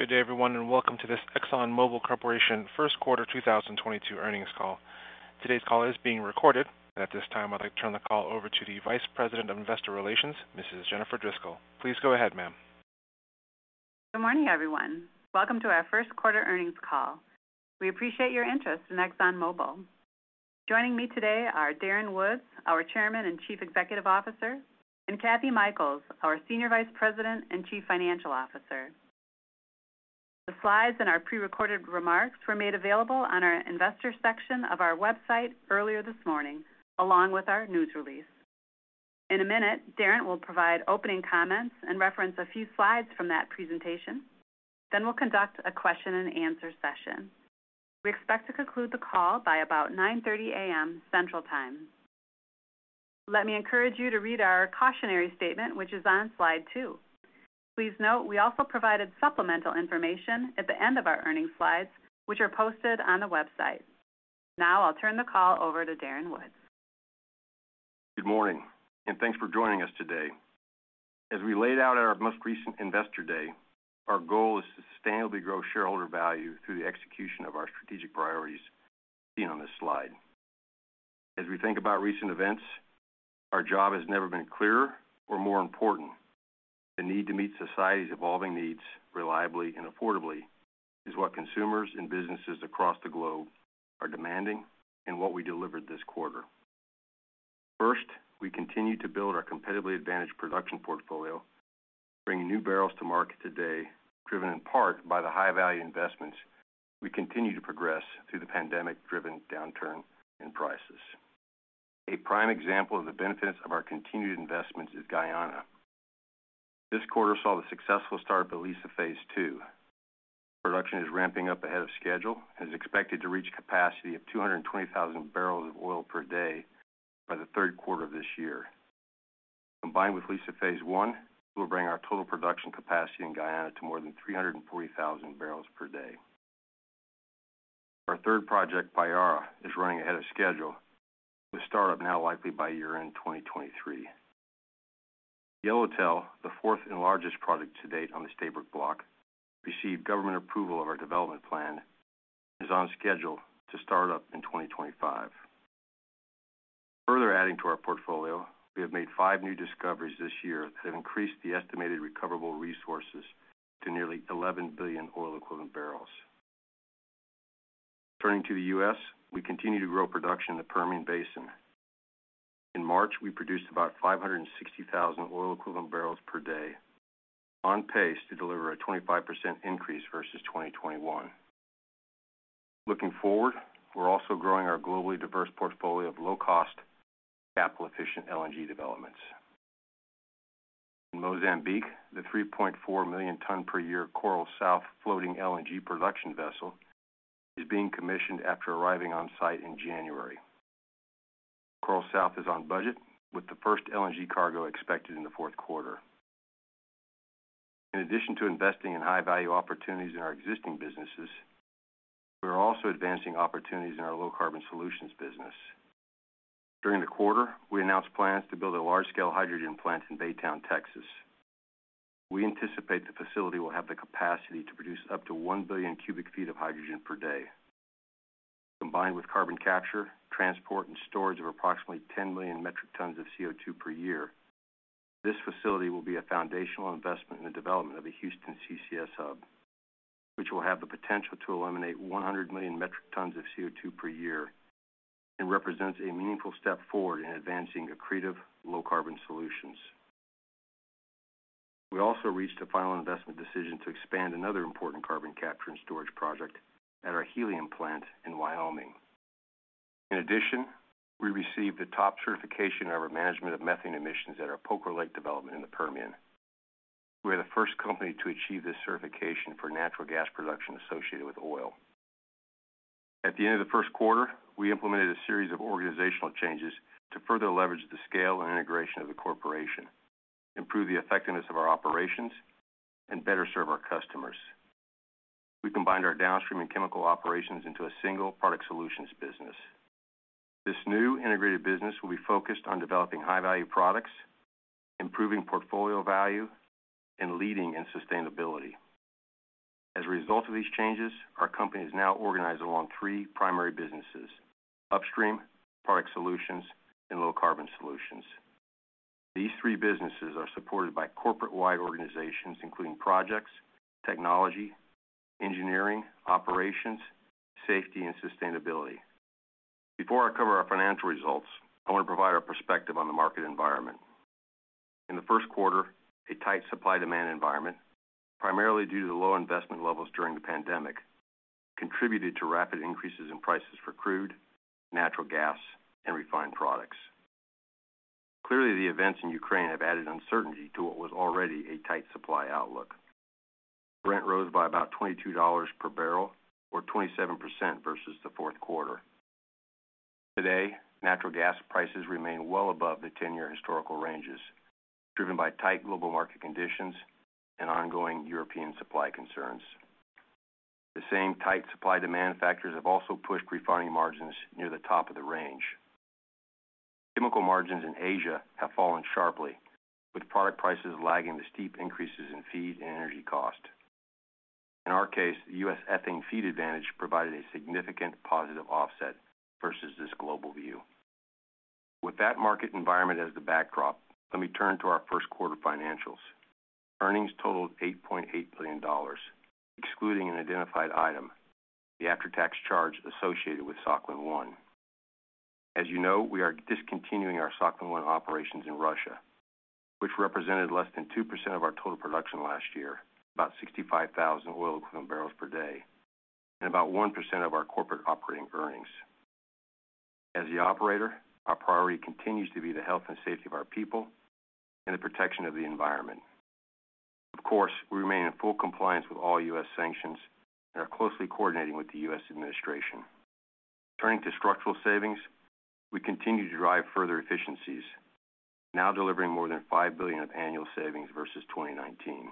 Good day, everyone, and welcome to this ExxonMobil Corporation first quarter 2022 earnings call. Today's call is being recorded. At this time, I'd like to turn the call over to the Vice President of Investor Relations, Mrs. Jennifer Driscoll. Please go ahead, ma'am. Good morning, everyone. Welcome to our first quarter earnings call. We appreciate your interest in ExxonMobil. Joining me today are Darren Woods, our Chairman and Chief Executive Officer, and Kathy Mikells, our Senior Vice President and Chief Financial Officer. The slides and our prerecorded remarks were made available on our investor section of our website earlier this morning, along with our news release. In a minute, Darren will provide opening comments and reference a few slides from that presentation. Then we'll conduct a question and answer session. We expect to conclude the call by about 9:30 A.M. Central Time. Let me encourage you to read our cautionary statement, which is on slide two. Please note we also provided supplemental information at the end of our earnings slides, which are posted on the website. Now I'll turn the call over to Darren Woods. Good morning, and thanks for joining us today. As we laid out at our most recent Investor Day, our goal is to sustainably grow shareholder value through the execution of our strategic priorities seen on this slide. As we think about recent events, our job has never been clearer or more important. The need to meet society's evolving needs reliably and affordably is what consumers and businesses across the globe are demanding and what we delivered this quarter. First, we continue to build our competitively advantaged production portfolio, bringing new barrels to market today, driven in part by the high-value investments we continue to progress through the pandemic-driven downturn in prices. A prime example of the benefits of our continued investments is Guyana. This quarter saw the successful start of Liza Phase II. Production is ramping up ahead of schedule and is expected to reach capacity of 220,000 barrels of oil per day by the third quarter of this year. Combined with Liza Phase I, this will bring our total production capacity in Guyana to more than 340,000 barrels per day. Our third project, Payara, is running ahead of schedule, with startup now likely by year-end 2023. Yellowtail, the fourth and largest project to date on the Stabroek Block, received government approval of our development plan and is on schedule to start up in 2025. Further adding to our portfolio, we have made five new discoveries this year that have increased the estimated recoverable resources to nearly 11 billion oil equivalent barrels. Turning to the U.S., we continue to grow production in the Permian Basin. In March, we produced about 560,000 oil equivalent barrels per day, on pace to deliver a 25% increase versus 2021. Looking forward, we're also growing our globally diverse portfolio of low-cost capital efficient LNG developments. In Mozambique, the 3.4 million tons per year Coral South floating LNG production vessel is being commissioned after arriving on site in January. Coral South is on budget with the first LNG cargo expected in the fourth quarter. In addition to investing in high-value opportunities in our existing businesses, we are also advancing opportunities in our Low Carbon Solutions business. During the quarter, we announced plans to build a large-scale hydrogen plant in Baytown, Texas. We anticipate the facility will have the capacity to produce up to 1 billion cu ft of hydrogen per day. Combined with carbon capture, transport, and storage of approximately 10 million metric tons of CO₂ per year, this facility will be a foundational investment in the development of the Houston CCS Hub, which will have the potential to eliminate 100 million metric tons of CO₂ per year and represents a meaningful step forward in advancing accretive low-carbon solutions. We also reached a final investment decision to expand another important carbon capture and storage project at our helium plant in Wyoming. In addition, we received the top certification of our management of methane emissions at our Poker Lake development in the Permian. We are the first company to achieve this certification for natural gas production associated with oil. At the end of the first quarter, we implemented a series of organizational changes to further leverage the scale and integration of the corporation, improve the effectiveness of our operations, and better serve our customers. We combined our downstream and chemical operations into a single Product Solutions business. This new integrated business will be focused on developing high-value products, improving portfolio value, and leading in sustainability. As a result of these changes, our company is now organized along three primary businesses: Upstream, Product Solutions, and Low Carbon Solutions. These three businesses are supported by corporate-wide organizations, including projects, technology, engineering, operations, safety, and sustainability. Before I cover our financial results, I want to provide our perspective on the market environment. In the first quarter, a tight supply-demand environment, primarily due to the low investment levels during the pandemic, contributed to rapid increases in prices for crude, natural gas, and refined products. Clearly, the events in Ukraine have added uncertainty to what was already a tight supply outlook. Brent rose by about $22 per barrel or 27% versus the fourth quarter. Today, natural gas prices remain well above the 10-year historical ranges, driven by tight global market conditions and ongoing European supply concerns. The same tight supply demand factors have also pushed refining margins near the top of the range. Chemical margins in Asia have fallen sharply, with product prices lagging the steep increases in feed and energy cost. In our case, the U.S. ethane feed advantage provided a significant positive offset versus this global view. With that market environment as the backdrop, let me turn to our first quarter financials. Earnings totaled $8.8 billion, excluding an identified item, the after-tax charge associated with Sakhalin-1. As you know, we are discontinuing our Sakhalin-1 operations in Russia, which represented less than 2% of our total production last year, about 65,000 oil-equivalent barrels per day, and about 1% of our corporate operating earnings. As the operator, our priority continues to be the health and safety of our people and the protection of the environment. Of course, we remain in full compliance with all U.S. sanctions and are closely coordinating with the U.S. administration. Turning to structural savings, we continue to drive further efficiencies, now delivering more than $5 billion of annual savings versus 2019.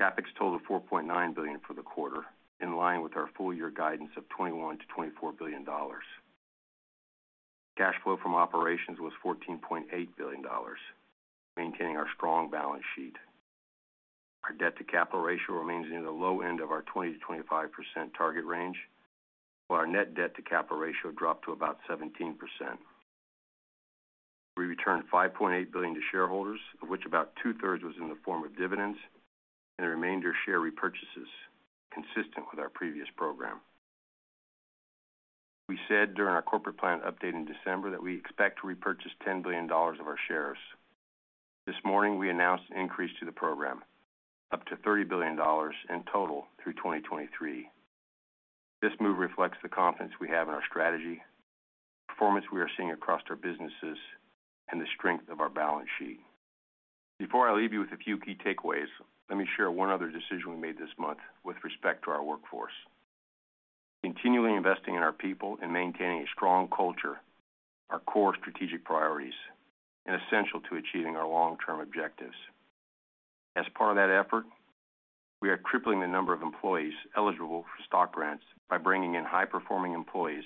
CapEx totaled $4.9 billion for the quarter, in line with our full year guidance of $21 billion-$24 billion. Cash flow from operations was $14.8 billion, maintaining our strong balance sheet. Our debt-to-capital ratio remains in the low end of our 20%-25% target range, while our net debt-to-capital ratio dropped to about 17%. We returned $5.8 billion to shareholders, of which about two-thirds was in the form of dividends and the remainder share repurchases consistent with our previous program. We said during our corporate plan update in December that we expect to repurchase $10 billion of our shares. This morning, we announced an increase to the program up to $30 billion in total through 2023. This move reflects the confidence we have in our strategy, performance we are seeing across our businesses, and the strength of our balance sheet. Before I leave you with a few key takeaways, let me share one other decision we made this month with respect to our workforce. Continuing investing in our people and maintaining a strong culture are core strategic priorities and essential to achieving our long-term objectives. As part of that effort, we are tripling the number of employees eligible for stock grants by bringing in high-performing employees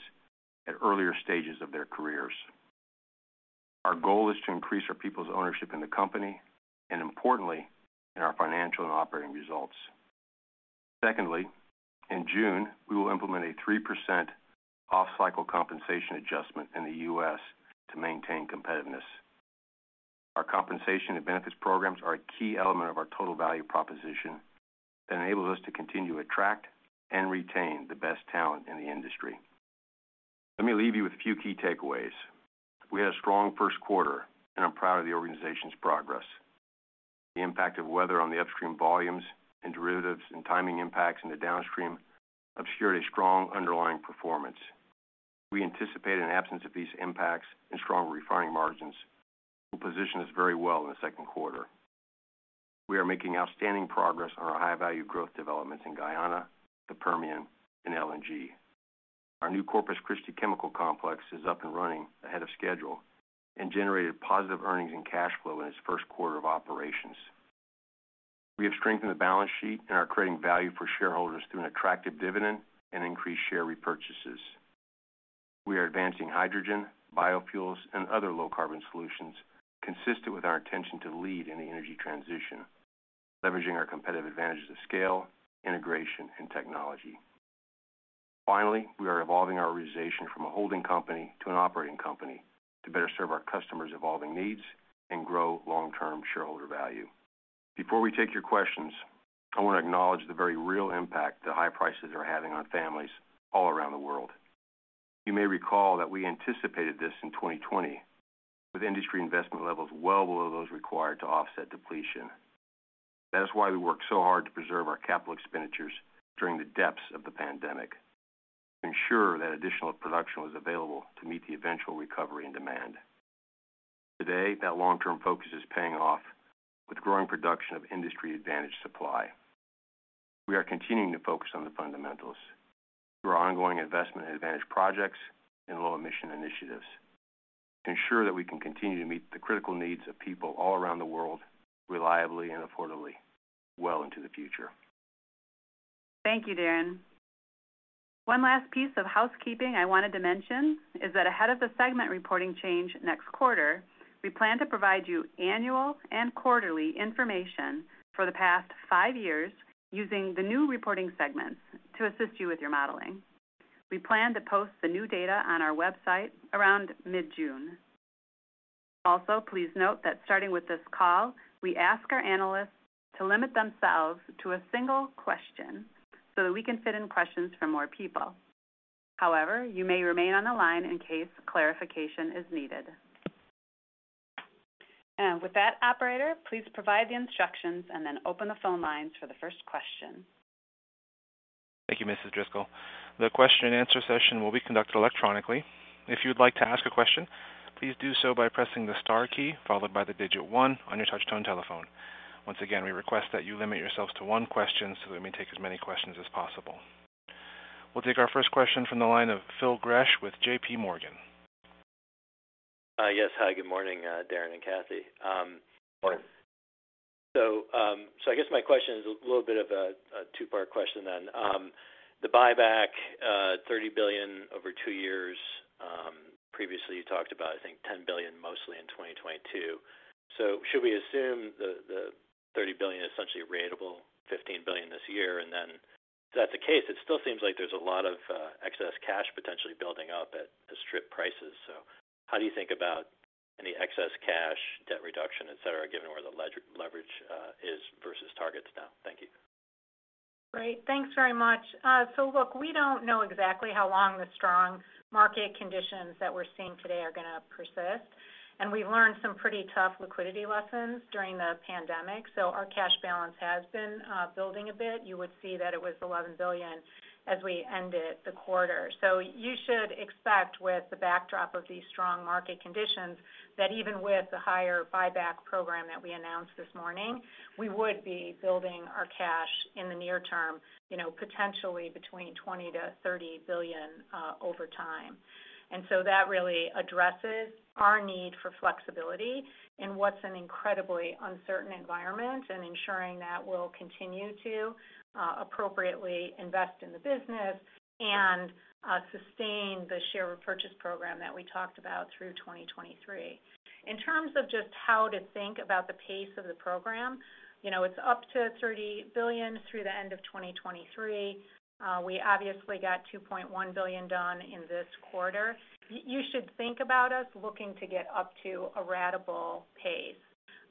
at earlier stages of their careers. Our goal is to increase our people's ownership in the company and importantly, in our financial and operating results. Secondly, in June, we will implement a 3% off-cycle compensation adjustment in the U.S. to maintain competitiveness. Our compensation and benefits programs are a key element of our total value proposition that enables us to continue to attract and retain the best talent in the industry. Let me leave you with a few key takeaways. We had a strong first quarter, and I'm proud of the organization's progress. The impact of weather on the upstream volumes and derivatives and timing impacts in the downstream obscured a strong underlying performance. We anticipate an absence of these impacts and stronger refining margins will position us very well in the second quarter. We are making outstanding progress on our high-value growth developments in Guyana, the Permian, and LNG. Our new Corpus Christi chemical complex is up and running ahead of schedule and generated positive earnings and cash flow in its first quarter of operations. We have strengthened the balance sheet and are creating value for shareholders through an attractive dividend and increased share repurchases. We are advancing hydrogen, biofuels, and other low-carbon solutions consistent with our intention to lead in the energy transition, leveraging our competitive advantages of scale, integration, and technology. Finally, we are evolving our organization from a holding company to an operating company to better serve our customers' evolving needs and grow long-term shareholder value. Before we take your questions, I wanna acknowledge the very real impact the high prices are having on families all around the world. You may recall that we anticipated this in 2020, with industry investment levels well below those required to offset depletion. That is why we worked so hard to preserve our capital expenditures during the depths of the pandemic to ensure that additional production was available to meet the eventual recovery and demand. Today, that long-term focus is paying off with growing production of industry-advantaged supply. We are continuing to focus on the fundamentals through our ongoing investment in advantaged projects and low-emission initiatives to ensure that we can continue to meet the critical needs of people all around the world reliably and affordably well into the future. Thank you, Darren. One last piece of housekeeping I wanted to mention is that ahead of the segment reporting change next quarter, we plan to provide you annual and quarterly information for the past five years using the new reporting segments to assist you with your modeling. We plan to post the new data on our website around mid-June. Also, please note that starting with this call, we ask our analysts to limit themselves to a single question so that we can fit in questions for more people. However, you may remain on the line in case clarification is needed. With that, operator, please provide the instructions and then open the phone lines for the first question. Thank you, Mrs. Driscoll. The question and answer session will be conducted electronically. If you'd like to ask a question, please do so by pressing the star key followed by the digit one on your touch-tone telephone. Once again, we request that you limit yourselves to one question so we may take as many questions as possible. We'll take our first question from the line of Phil Gresh with JPMorgan. Yes. Hi, good morning, Darren and Kathy. Morning I guess my question is a little bit of a two-part question then. The buyback $30 billion over two years, previously you talked about, I think $10 billion mostly in 2022. Should we assume the $30 billion essentially ratable $15 billion this year? And then if that's the case, it still seems like there's a lot of excess cash potentially building up at the strip prices. How do you think about any excess cash, debt reduction, et cetera, given where the net leverage is versus targets now? Thank you. Great. Thanks very much. Look, we don't know exactly how long the strong market conditions that we're seeing today are gonna persist, and we've learned some pretty tough liquidity lessons during the pandemic. Our cash balance has been building a bit. You would see that it was $11 billion as we ended the quarter. You should expect with the backdrop of these strong market conditions, that even with the higher buyback program that we announced this morning, we would be building our cash in the near term, you know, potentially between $20billion-$30 billion over time. That really addresses our need for flexibility in what's an incredibly uncertain environment and ensuring that we'll continue to appropriately invest in the business and sustain the share repurchase program that we talked about through 2023. In terms of just how to think about the pace of the program, you know, it's up to $30 billion through the end of 2023. We obviously got $2.1 billion done in this quarter. You should think about us looking to get up to a ratable pace,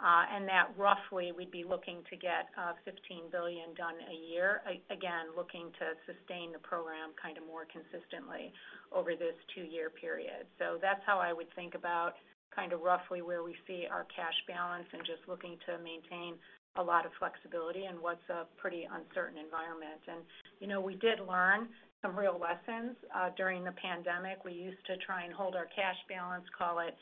and that roughly we'd be looking to get $15 billion done a year. Again, looking to sustain the program kind of more consistently over this two-year period. That's how I would think about kind of roughly where we see our cash balance and just looking to maintain a lot of flexibility in what's a pretty uncertain environment. You know, we did learn some real lessons during the pandemic. We used to try and hold our cash balance, call it,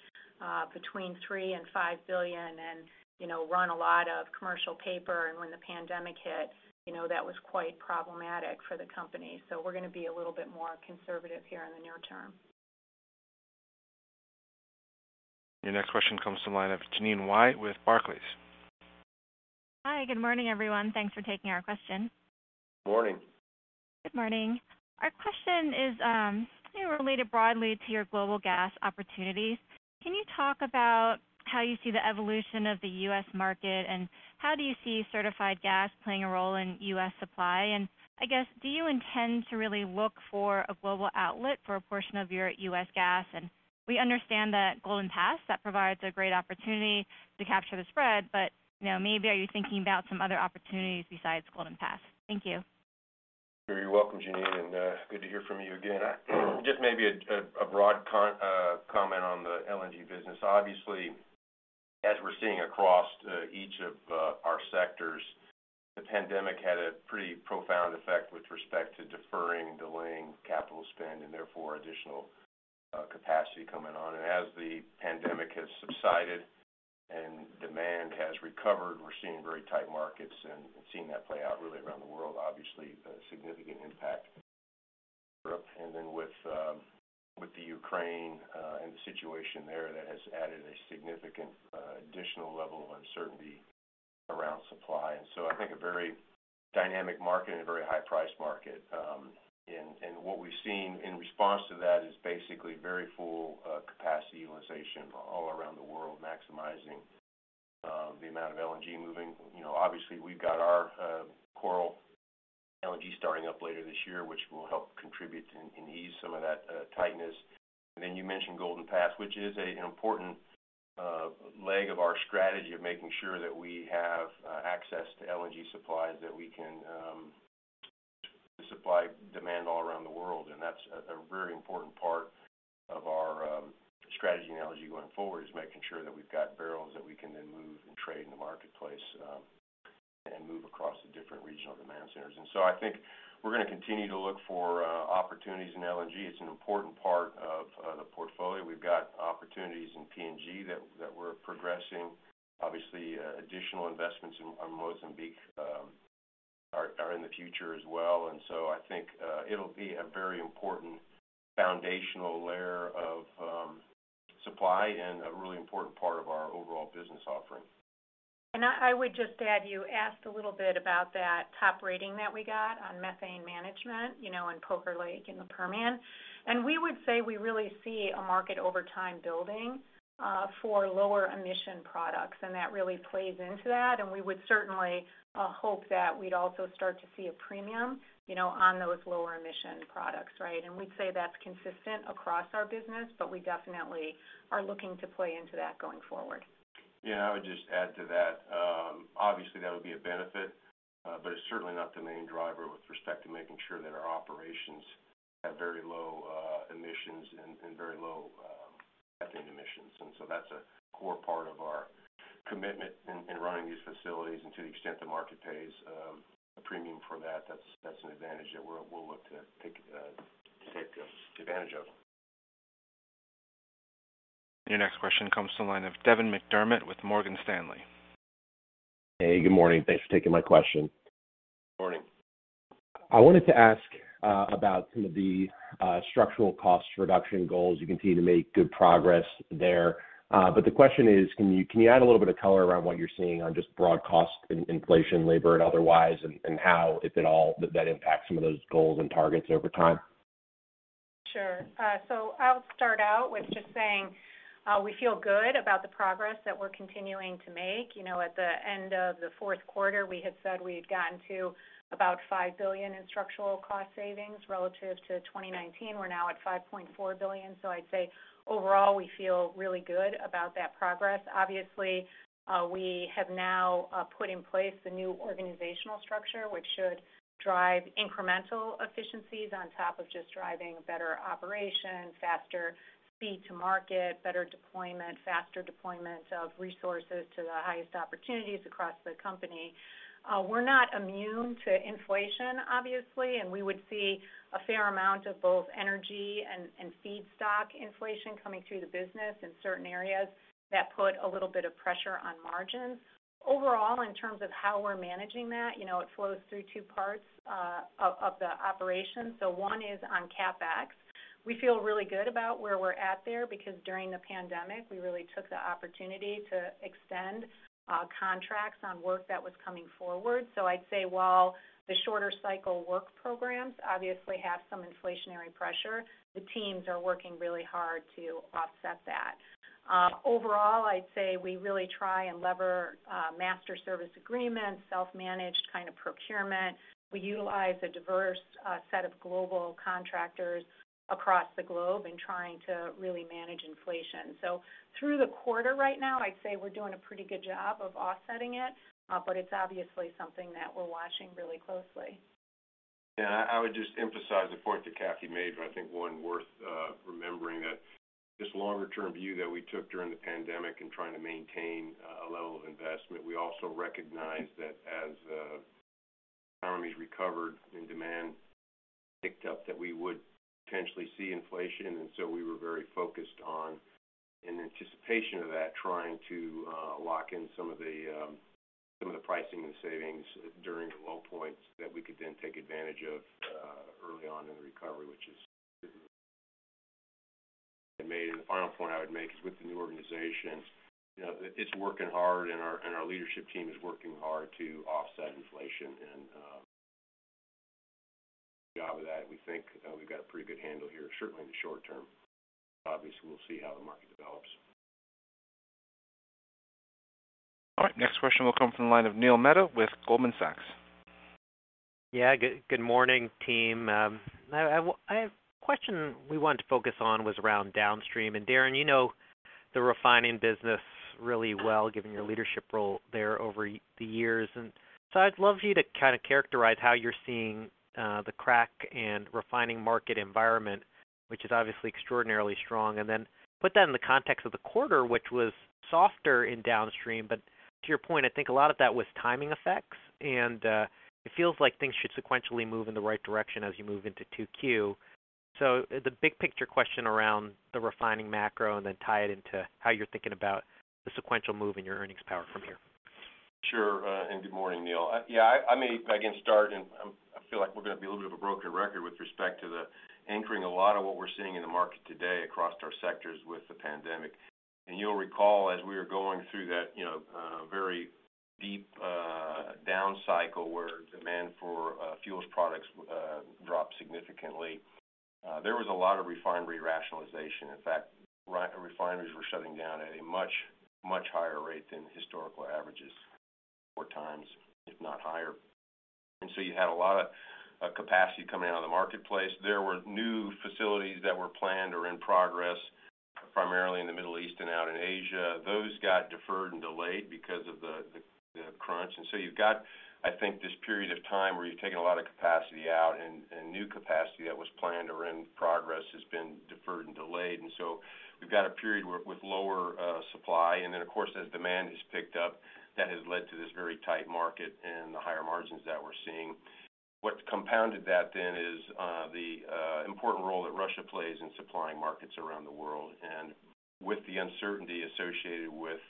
between $3 billion and $5 billion and, you know, run a lot of commercial paper. When the pandemic hit, you know, that was quite problematic for the company. We're gonna be a little bit more conservative here in the near term. Your next question comes to the line of Jeanine Wai with Barclays. Hi, good morning, everyone. Thanks for taking our question. Morning. Good morning. Our question is, you know, related broadly to your global gas opportunities. Can you talk about how you see the evolution of the U.S. market, and how do you see certified gas playing a role in U.S. supply? I guess, do you intend to really look for a global outlet for a portion of your U.S. gas? We understand that Golden Pass, that provides a great opportunity to capture the spread, but, you know, maybe are you thinking about some other opportunities besides Golden Pass? Thank you. You're welcome, Jeanine, and good to hear from you again. Just maybe a broad comment on the LNG business. Obviously, as we're seeing across each of our sectors, the pandemic had a pretty profound effect with respect to deferring, delaying capital spend and therefore additional capacity coming on. As the pandemic has subsided and demand has recovered, we're seeing very tight markets and seeing that play out really around the world, obviously a significant impact in Europe. Then with the Ukraine and the situation there, that has added a significant additional level of uncertainty around supply. I think a very dynamic market and a very high price market. What we've seen in response to that is basically very full capacity utilization all around the world, maximizing the amount of LNG moving. You know, obviously we've got our Coral South starting up later this year, which will help contribute to and ease some of that tightness. Then you mentioned Golden Pass LNG, which is an important leg of our strategy of making sure that we have access to LNG supplies that we can supply demand all around the world. That's a very important part of our strategy going forward, is making sure that we've got barrels that we can then move and trade in the marketplace and move across the different regional demand centers. I think we're gonna continue to look for opportunities in LNG. It's an important part of the portfolio. We've got opportunities in PNG that we're progressing. Obviously, additional investments in Mozambique are in the future as well. I think it'll be a very important foundational layer of supply and a really important part of our overall business offering. I would just add, you asked a little bit about that top rating that we got on methane management, you know, in Poker Lake in the Permian. We would say we really see a market over time building for lower emission products, and that really plays into that. We would certainly hope that we'd also start to see a premium, you know, on those lower emission products, right? We'd say that's consistent across our business, but we definitely are looking to play into that going forward. Yeah, I would just add to that. Obviously that would be a benefit, but it's certainly not the main driver with respect to making sure that our operations have very low emissions and very low methane emissions. That's a core part of our commitment in running these facilities. To the extent the market pays a premium for that's an advantage that we'll look to take advantage of. Your next question comes to the line of Devin McDermott with Morgan Stanley. Hey, good morning. Thanks for taking my question. Morning. I wanted to ask about some of the structural cost reduction goals. You continue to make good progress there. The question is, can you add a little bit of color around what you're seeing on just broad cost inflation, labor, and otherwise, and how, if at all, that impacts some of those goals and targets over time? Sure. I'll start out with just saying, we feel good about the progress that we're continuing to make. You know, at the end of the fourth quarter, we had said we had gotten to about $5 billion in structural cost savings relative to 2019. We're now at $5.4 billion. I'd say overall, we feel really good about that progress. Obviously, we have now put in place the new organizational structure, which should drive incremental efficiencies on top of just driving better operation, faster speed to market, better deployment, faster deployment of resources to the highest opportunities across the company. We're not immune to inflation, obviously, and we would see a fair amount of both energy and feedstock inflation coming through the business in certain areas that put a little bit of pressure on margins. Overall, in terms of how we're managing that, you know, it flows through two parts of the operation. One is on CapEx. We feel really good about where we're at there because during the pandemic, we really took the opportunity to extend contracts on work that was coming forward. I'd say while the shorter cycle work programs obviously have some inflationary pressure, the teams are working really hard to offset that. Overall, I'd say we really try and leverage master service agreements, self-managed kind of procurement. We utilize a diverse set of global contractors across the globe in trying to really manage inflation. Through the quarter right now, I'd say we're doing a pretty good job of offsetting it, but it's obviously something that we're watching really closely. Yeah, I would just emphasize the point that Kathy made, but I think one worth remembering that this longer-term view that we took during the pandemic in trying to maintain a level of investment. We also recognized that as economies recovered and demand picked up, that we would potentially see inflation. So we were very focused on, in anticipation of that, trying to lock in some of the pricing and savings during low points that we could then take advantage of early on in the recovery, which has made. The final point I would make is with the new organization, you know, it's working hard, and our leadership team is working hard to offset inflation. On that, we think we've got a pretty good handle here, certainly in the short term. Obviously, we'll see how the market develops. All right. Next question will come from the line of Neil Mehta with Goldman Sachs. Yeah. Good morning, team. Question we wanted to focus on was around downstream. Darren, you know the refining business really well, given your leadership role there over the years. I'd love you to kind of characterize how you're seeing the crack and refining market environment, which is obviously extraordinarily strong. Then put that in the context of the quarter, which was softer in downstream. To your point, I think a lot of that was timing effects, and it feels like things should sequentially move in the right direction as you move into 2Q. The big picture question around the refining macro, and then tie it into how you're thinking about the sequential move in your earnings power from here. Sure, good morning, Neil. Yeah, I feel like we're gonna be a little bit of a broken record with respect to the anchoring a lot of what we're seeing in the market today across our sectors with the pandemic. You'll recall, as we were going through that, you know, very deep down cycle where demand for fuels products dropped significantly, there was a lot of refinery rationalization. In fact, refineries were shutting down at a much higher rate than historical averages. 4x, if not higher. You had a lot of capacity coming out of the marketplace. There were new facilities that were planned or in progress, primarily in the Middle East and out in Asia. Those got deferred and delayed because of the crunch. You've got, I think, this period of time where you've taken a lot of capacity out and new capacity that was planned or in progress has been deferred and delayed. We've got a period with lower supply. Of course, as demand has picked up, that has led to this very tight market and the higher margins that we're seeing. What's compounded that then is the important role that Russia plays in supplying markets around the world. With the uncertainty associated with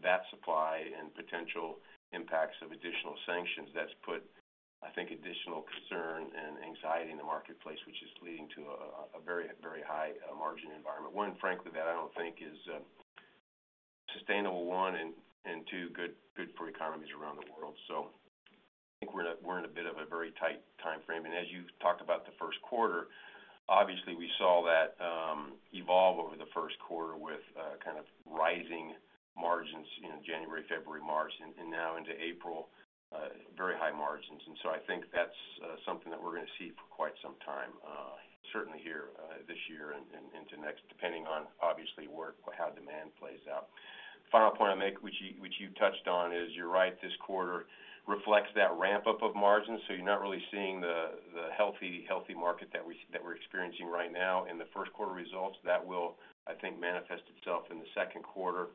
that supply and potential impacts of additional sanctions, that's put, I think, additional concern and anxiety in the marketplace, which is leading to a very, very high margin environment. One, frankly, that I don't think is sustainable, and two, good for economies around the world. I think we're in a bit of a very tight timeframe. As you've talked about the first quarter, obviously, we saw that evolve over the first quarter with kind of rising margins in January, February, March, and now into April, very high margins. I think that's something that we're gonna see for quite some time, certainly here, this year and into next, depending on obviously how demand plays out. Final point I'll make, which you touched on, is you're right, this quarter reflects that ramp-up of margins. You're not really seeing the healthy market that we're experiencing right now in the first quarter results. That will, I think, manifest itself in the second quarter.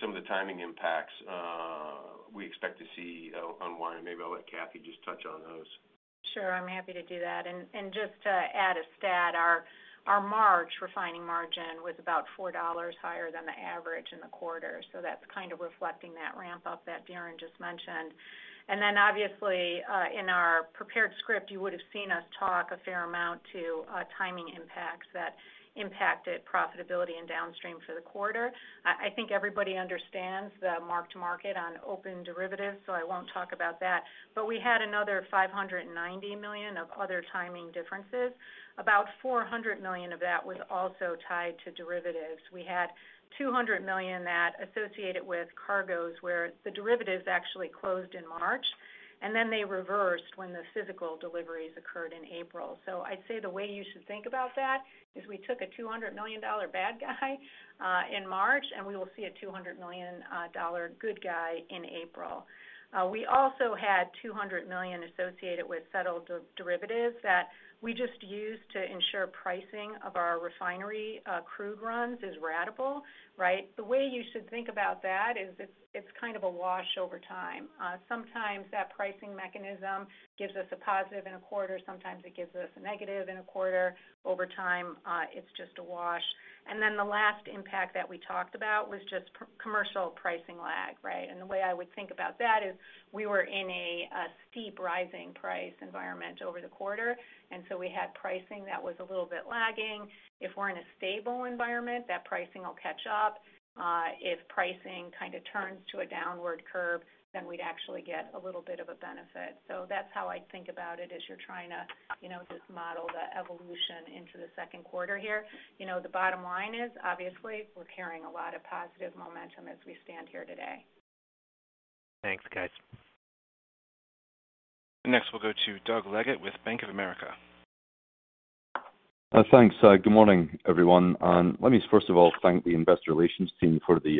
Some of the timing impacts we expect to see unwind. Maybe I'll let Kathy just touch on those. Sure, I'm happy to do that. Just to add a stat, our March refining margin was about $4 higher than the average in the quarter. That's kind of reflecting that ramp up that Darren just mentioned. Then obviously, in our prepared script, you would have seen us talk a fair amount to timing impacts that impacted profitability and downstream for the quarter. I think everybody understands the mark to market on open derivatives, so I won't talk about that. We had another $590 million of other timing differences. About $400 million of that was also tied to derivatives. We had $200 million that associated with cargoes where the derivatives actually closed in March, and then they reversed when the physical deliveries occurred in April. I'd say the way you should think about that is we took a $200 million bad guy in March, and we will see a $200 million good guy in April. We also had $200 million associated with settled derivatives that we just used to ensure pricing of our refinery crude runs is ratable, right? The way you should think about that is it's kind of a wash over time. Sometimes that pricing mechanism gives us a positive in a quarter, sometimes it gives us a negative in a quarter. Over time, it's just a wash. Then the last impact that we talked about was just pre-commercial pricing lag, right? The way I would think about that is we were in a steep rising price environment over the quarter, and so we had pricing that was a little bit lagging. If we're in a stable environment, that pricing will catch up. If pricing kind of turns to a downward curve, then we'd actually get a little bit of a benefit. So that's how I think about it as you're trying to, you know, just model the evolution into the second quarter here. You know, the bottom line is, obviously, we're carrying a lot of positive momentum as we stand here today. Thanks, guys. Next, we'll go to Doug Leggate with Bank of America. Thanks. Good morning, everyone. Let me first of all thank the investor relations team for the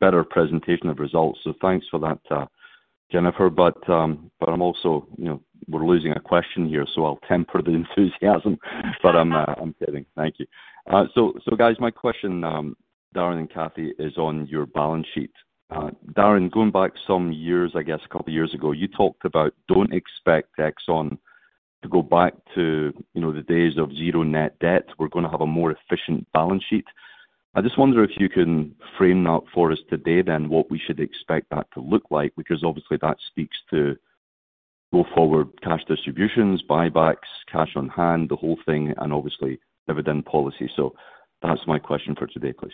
better presentation of results. Thanks for that, Jennifer. I'm also, you know, we're losing a question here, so I'll temper the enthusiasm. I'm kidding. Thank you. Guys, my question, Darren and Kathy, is on your balance sheet. Darren, going back some years, I guess a couple of years ago, you talked about don't expect Exxon to go back to, you know, the days of zero net debt. We're gonna have a more efficient balance sheet. I just wonder if you can frame that for us today, then what we should expect that to look like, because obviously that speaks to go forward cash distributions, buybacks, cash on hand, the whole thing, and obviously dividend policy. That's my question for today, please.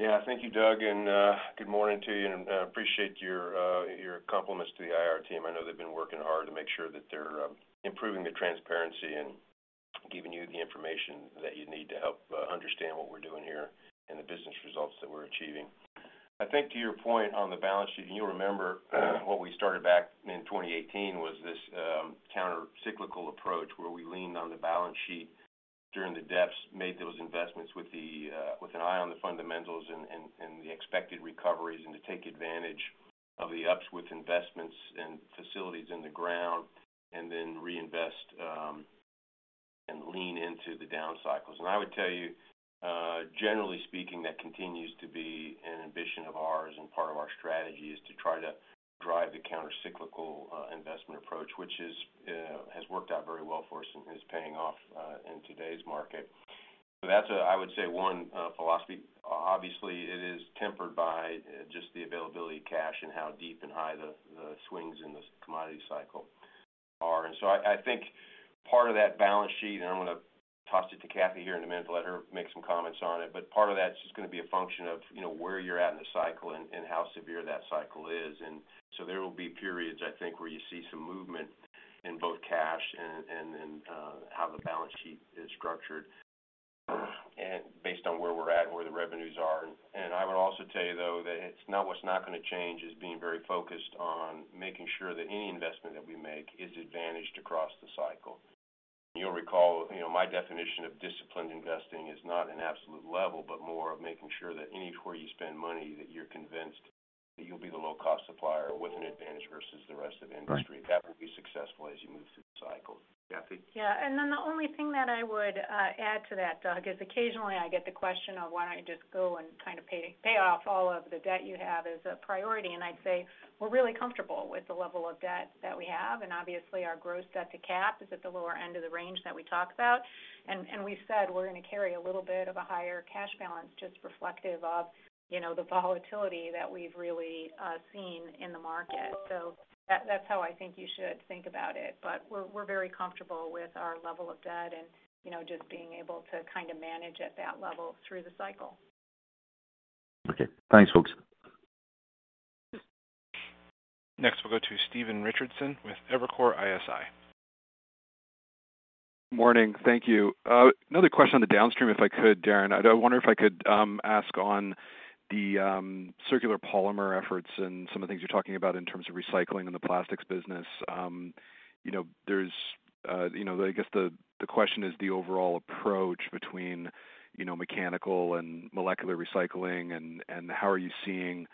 Yeah. Thank you, Doug. Good morning to you. I appreciate your compliments to the IR team. I know they've been working hard to make sure that they're improving the transparency and giving you the information that you need to help understand what we're doing here and the business results that we're achieving. I think to your point on the balance sheet, and you'll remember what we started back in 2018 was this countercyclical approach where we leaned on the balance sheet during the depths, made those investments with an eye on the fundamentals and the expected recoveries and to take advantage of the ups with investments and facilities in the ground and then reinvest and lean into the down cycles. I would tell you, generally speaking, that continues to be an ambition of ours and part of our strategy is to try to drive the countercyclical investment approach, which has worked out very well for us and is paying off in today's market. That's, I would say, one philosophy. Obviously, it is tempered by just the availability of cash and how deep and high the swings in this commodity cycle are. I think part of that balance sheet, and I'm gonna toss it to Kathy here in a minute to let her make some comments on it. Part of that is just gonna be a function of, you know, where you're at in the cycle and how severe that cycle is. There will be periods, I think, where you see some movement in both cash and how the balance sheet is structured, and based on where we're at and where the revenues are. I would also tell you, though, that it's not what's not gonna change is being very focused on making sure that any investment that we make is advantaged across the cycle. You'll recall, you know, my definition of disciplined investing is not an absolute level, but more of making sure that anywhere you spend money, that you're convinced that you'll be the low-cost supplier with an advantage versus the rest of the industry. Right. That will be successful as you move through the cycle. Kathy? Yeah. Then the only thing that I would add to that, Doug, is occasionally I get the question of why don't you just go and kind of pay off all of the debt you have as a priority. I'd say we're really comfortable with the level of debt that we have. Obviously, our gross debt-to-capital is at the lower end of the range that we talked about. We said we're gonna carry a little bit of a higher cash balance just reflective of, you know, the volatility that we've really seen in the market. That's how I think you should think about it. We're very comfortable with our level of debt and, you know, just being able to kind of manage at that level through the cycle. Okay. Thanks, folks. Next, we'll go to Stephen Richardson with Evercore ISI. Morning. Thank you. Another question on the downstream, if I could, Darren. I wonder if I could ask on the circular polymer efforts and some of the things you're talking about in terms of recycling in the plastics business. You know, there's you know, I guess the question is the overall approach between you know, mechanical and molecular recycling and how are you seeing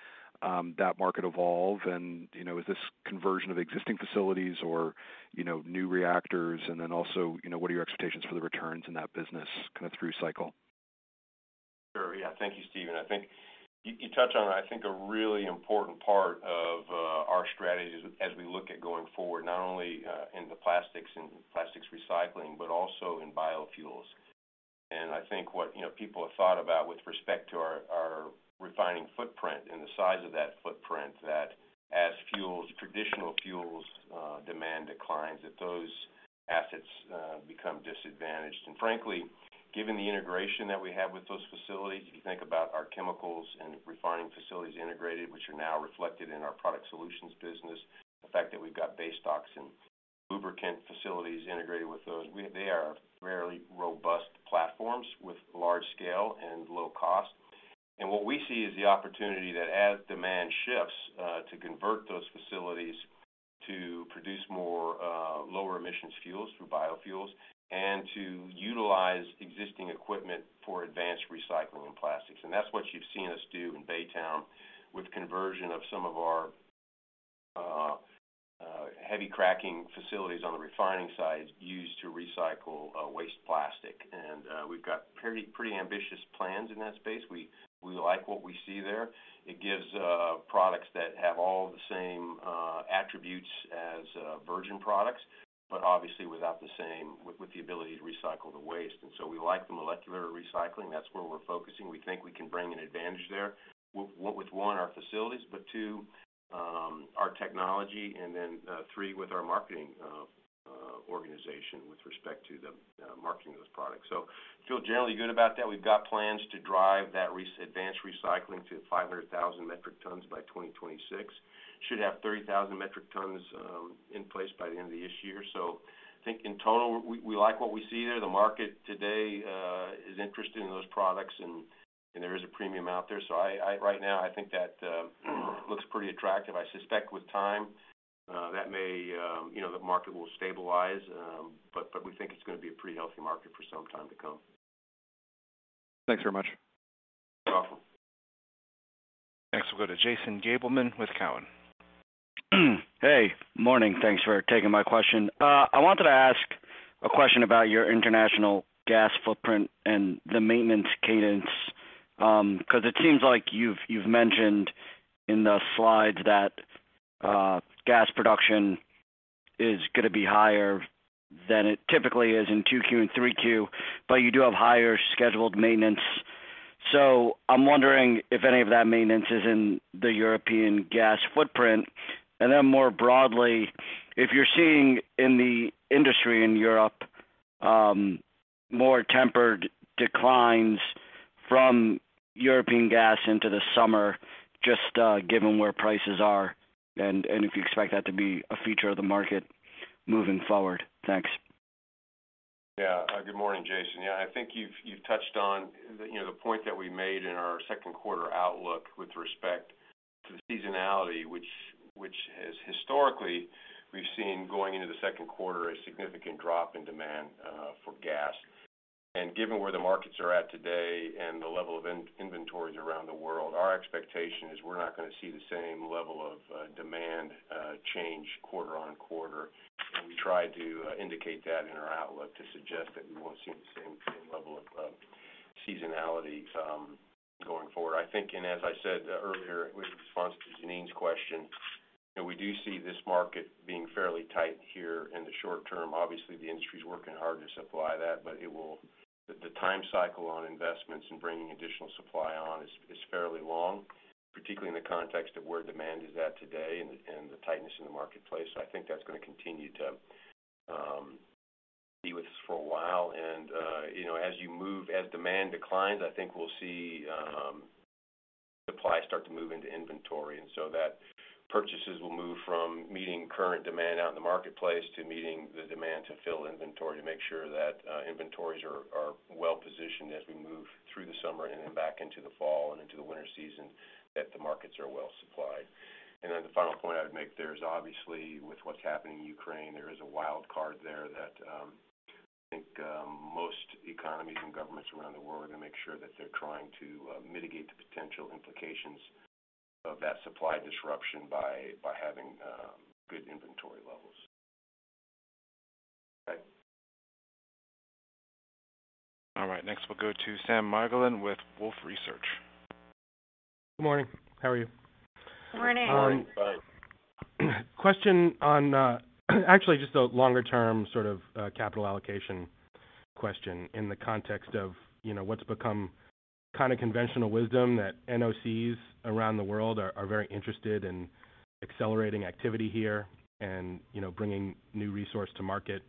that market evolve? And you know, is this conversion of existing facilities or you know, new reactors? And then also, you know, what are your expectations for the returns in that business kind of through cycle? Sure. Yeah. Thank you, Stephen. I think you touched on, I think, a really important part of our strategy as we look at going forward, not only in the plastics and plastics recycling, but also in biofuels. I think what, you know, people have thought about with respect to our refining footprint and the size of that footprint, that as traditional fuels demand declines, that those assets become disadvantaged. Frankly, given the integration that we have with those facilities, if you think about our chemicals and refining facilities integrated, which are now reflected in our Product Solutions business, the fact that we've got basestocks and lubricant facilities integrated with those, they are rarely robust platforms with large scale and low cost. What we see is the opportunity that as demand shifts, to convert those facilities to produce more lower emissions fuels through biofuels and to utilize existing equipment for advanced recycling and plastics. That's what you've seen us do in Baytown with conversion of some of our heavy cracking facilities on the refining side used to recycle waste plastic. We've got pretty ambitious plans in that space. We like what we see there. It gives products that have all the same attributes as virgin products, but obviously without the same with the ability to recycle the waste. We like the molecular recycling. That's where we're focusing. We think we can bring an advantage there with, one, our facilities, but two, our technology, and then, three, with our marketing organization with respect to the marketing those products. We feel generally good about that. We've got plans to drive that advanced recycling to 500,000 metric tons by 2026. Should have 30,000 metric tons in place by the end of this year. I think in total, we like what we see there. The market today is interested in those products and there is a premium out there. I right now, I think that looks pretty attractive. I suspect with time, that may, you know, the market will stabilize, but we think it's gonna be a pretty healthy market for some time to come. Thanks very much. You're welcome. Next, we'll go to Jason Gabelman with Cowen. Hey. Morning. Thanks for taking my question. I wanted to ask a question about your international gas footprint and the maintenance cadence, 'cause it seems like you've mentioned in the slides that gas production is gonna be higher than it typically is in 2Q and 3Q, but you do have higher scheduled maintenance. I'm wondering if any of that maintenance is in the European gas footprint. More broadly, if you're seeing in the industry in Europe more tempered declines from European gas into the summer, just given where prices are and if you expect that to be a feature of the market moving forward. Thanks. Yeah. Good morning, Jason. Yeah, I think you've touched on the, you know, the point that we made in our second quarter outlook with respect to seasonality, which has historically we've seen going into the second quarter, a significant drop in demand for gas. Given where the markets are at today and the level of in inventories around the world, our expectation is we're not gonna see the same level of demand change quarter-on-quarter. We try to indicate that in our outlook to suggest that we won't see the same level of seasonality going forward. I think, as I said earlier in response to Jeanine's question, you know, we do see this market being fairly tight here in the short term. Obviously, the industry's working hard to supply that, but the time cycle on investments and bringing additional supply on is fairly long, particularly in the context of where demand is at today and the tightness in the marketplace. I think that's gonna continue to be with us for a while. You know, as demand declines, I think we'll see supply start to move into inventory. Purchases will move from meeting current demand out in the marketplace to meeting the demand to fill inventory, to make sure that inventories are well-positioned as we move through the summer and then back into the fall and into the winter season, that the markets are well supplied. The final point I'd make there is obviously with what's happening in Ukraine, there is a wild card there that I think most economies and governments around the world are gonna make sure that they're trying to mitigate the potential implications of that supply disruption by having good inventory levels. Okay. All right. Next, we'll go to Sam Margolin with Wolfe Research. Good morning. How are you? Morning. Fine. Question on actually just a longer-term sort of capital allocation question in the context of, you know, what's become kind of conventional wisdom that NOCs around the world are very interested in accelerating activity here and, you know, bringing new resource to market.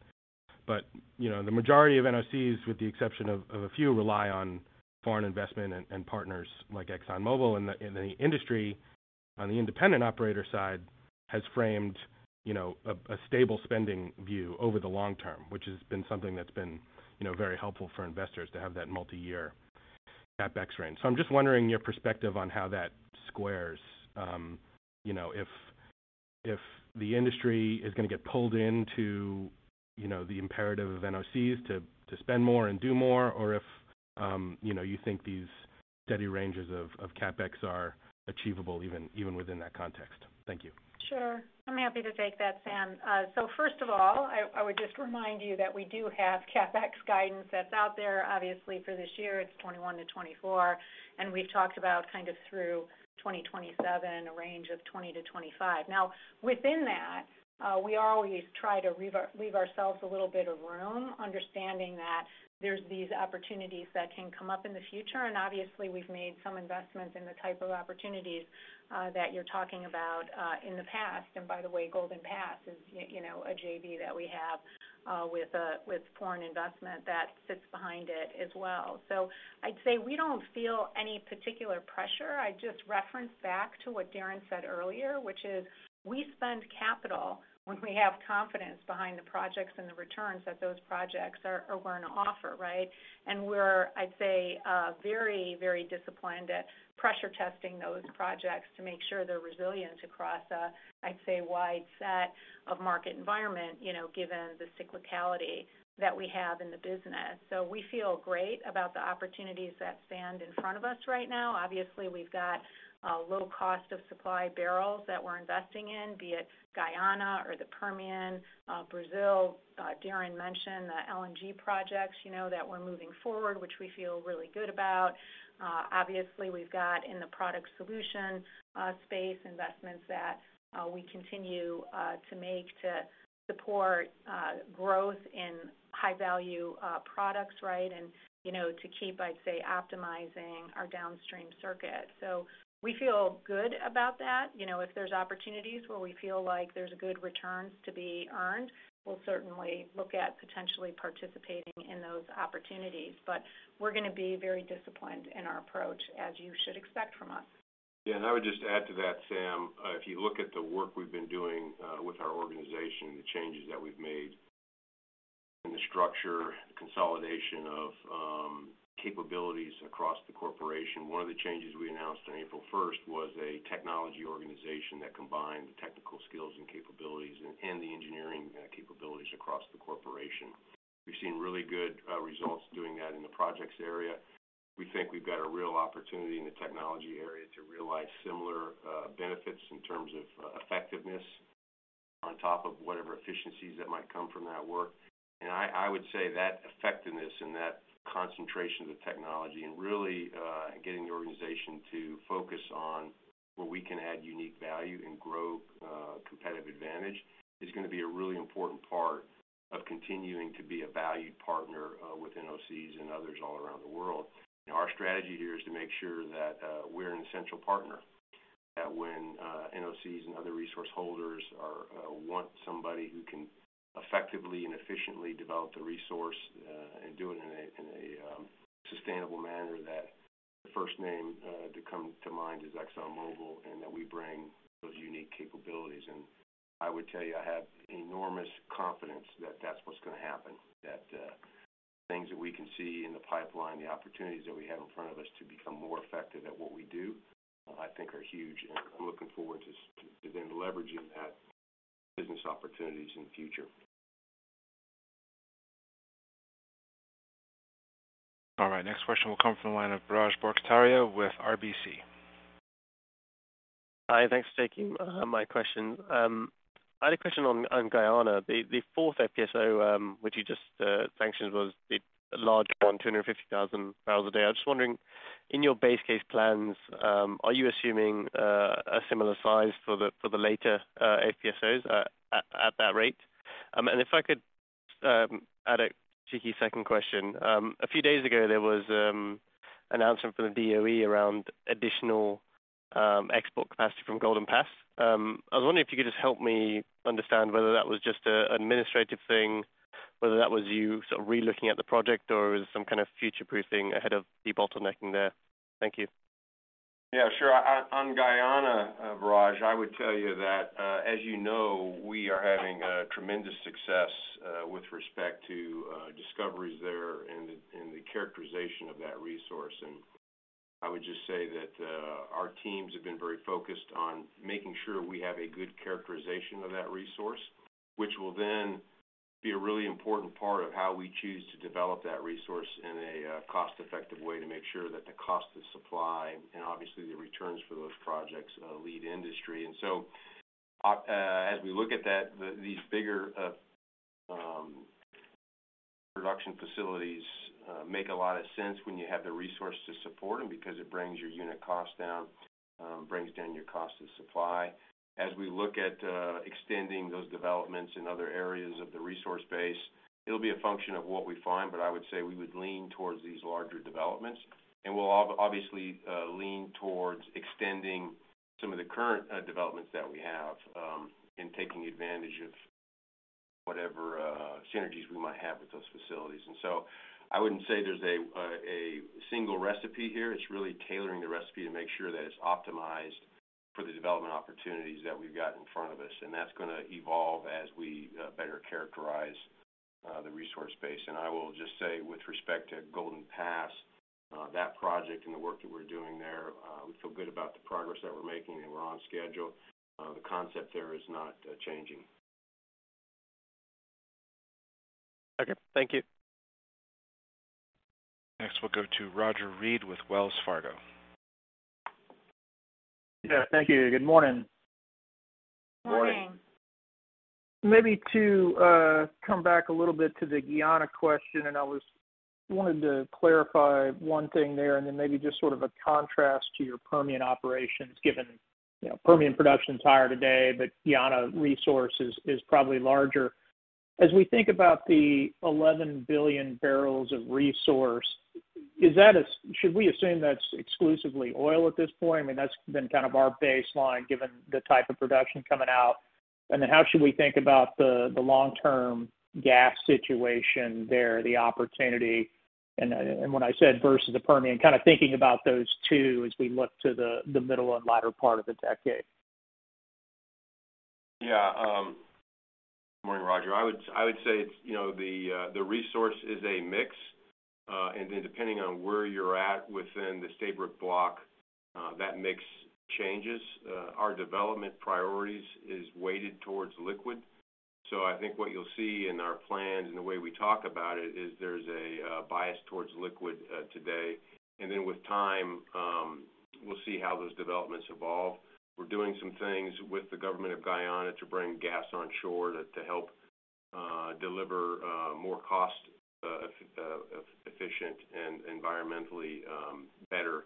The majority of NOCs, with the exception of a few, rely on foreign investment and partners like ExxonMobil. The industry on the independent operator side has framed, you know, a stable spending view over the long term, which has been something that's been, you know, very helpful for investors to have that multi-year CapEx range. I'm just wondering your perspective on how that squares, you know, if the industry is gonna get pulled into, you know, the imperative of NOCs to spend more and do more, or if, you know, you think these steady ranges of CapEx are achievable even within that context? Thank you. Sure. I'm happy to take that, Sam. First of all, I would just remind you that we do have CapEx guidance that's out there. Obviously, for this year, it's $21 billion-$24 billion, and we've talked about kind of through 2027, a range of $20 billion-$25 billion. Now, within that, we always try to leave ourselves a little bit of room, understanding that there's these opportunities that can come up in the future. Obviously, we've made some investments in the type of opportunities that you're talking about in the past. By the way, Golden Pass is, you know, a JV that we have with foreign investment that sits behind it as well. I'd say we don't feel any particular pressure. I just referenced back to what Darren said earlier, which is we spend capital when we have confidence behind the projects and the returns that those projects are gonna offer, right? We're, I'd say, very, very disciplined at pressure testing those projects to make sure they're resilient across a, I'd say, wide set of market environment, you know, given the cyclicality that we have in the business. We feel great about the opportunities that stand in front of us right now. Obviously, we've got a low cost of supply barrels that we're investing in, be it Guyana or the Permian, Brazil. Darren mentioned the LNG projects, you know, that we're moving forward, which we feel really good about. Obviously, we've got in the Product Solutions space investments that we continue to make to support growth in high value products, right? You know, to keep, I'd say, optimizing our downstream circuit. We feel good about that. You know, if there's opportunities where we feel like there's good returns to be earned, we'll certainly look at potentially participating in those opportunities. We're gonna be very disciplined in our approach, as you should expect from us. Yeah. I would just add to that, Sam. If you look at the work we've been doing with our organization, the changes that we've made in the structure, the consolidation of capabilities across the corporation, one of the changes we announced on April first was a technology organization that combined the technical skills and capabilities and the engineering capabilities across the corporation. We've seen really good results doing that in the projects area. We think we've got a real opportunity in the technology area to realize similar benefits in terms of effectiveness on top of whatever efficiencies that might come from that work. I would say that effectiveness and that concentration of the technology and really getting the organization to focus on where we can add unique value and grow competitive advantage is gonna be a really important part of continuing to be a valued partner with NOCs and others all around the world. Our strategy here is to make sure that we're an essential partner, that when NOCs and other resource holders want somebody who can effectively and efficiently develop the resource and do it in a sustainable manner, that the first name to come to mind is ExxonMobil, and that we bring those unique capabilities. I would tell you, I have enormous confidence that that's what's gonna happen, that things that we can see in the pipeline, the opportunities that we have in front of us to become more effective at what we do, I think are huge, and I'm looking forward to then leveraging that business opportunities in the future. All right. Next question will come from the line of Biraj Borkhataria with RBC. Hi. Thanks for taking my question. I had a question on Guyana. The fourth FPSO, which you just sanctioned, was a large one, 250,000 barrels a day. I was just wondering, in your base case plans, are you assuming a similar size for the later FPSOs at that rate? And if I could add a cheeky second question. A few days ago, there was announcement from the DOE around additional export capacity from Golden Pass. I was wondering if you could just help me understand whether that was just a administrative thing, whether that was you sort of relooking at the project, or was it some kind of future-proofing ahead of de-bottlenecking there. Thank you. Yeah, sure. On Guyana, Biraj, I would tell you that, as you know, we are having tremendous success with respect to discoveries there and the characterization of that resource. I would just say that our teams have been very focused on making sure we have a good characterization of that resource, which will then be a really important part of how we choose to develop that resource in a cost-effective way to make sure that the cost of supply and obviously the returns for those projects lead industry. As we look at that, these bigger production facilities make a lot of sense when you have the resource to support them because it brings your unit cost down, brings down your cost of supply. As we look at extending those developments in other areas of the resource base, it'll be a function of what we find, but I would say we would lean towards these larger developments. We'll obviously lean towards extending some of the current developments that we have in taking advantage of whatever synergies we might have with those facilities. I wouldn't say there's a single recipe here. It's really tailoring the recipe to make sure that it's optimized for the development opportunities that we've got in front of us. That's gonna evolve as we better characterize the resource base. I will just say with respect to Golden Pass, that project and the work that we're doing there, we feel good about the progress that we're making, and we're on schedule. The concept there is not changing. Okay. Thank you. Next, we'll go to Roger Read with Wells Fargo. Yeah, thank you. Good morning. Morning. Morning. Maybe to come back a little bit to the Guyana question, wanted to clarify one thing there, and then maybe just sort of a contrast to your Permian operations, given Permian production's higher today, but Guyana resources is probably larger. As we think about the 11 billion barrels of resource, should we assume that's exclusively oil at this point? I mean, that's been kind of our baseline, given the type of production coming out. How should we think about the long-term gas situation there, the opportunity? When I said versus the Permian, kind of thinking about those two as we look to the middle and latter part of the decade. Yeah, good morning, Roger. I would say it's, you know, the resource is a mix, and then depending on where you're at within the Stabroek Block, that mix changes. Our development priorities is weighted towards liquid. I think what you'll see in our plans and the way we talk about it is there's a bias towards liquid today. With time, we'll see how those developments evolve. We're doing some things with the government of Guyana to bring gas onshore to help deliver more cost efficient and environmentally better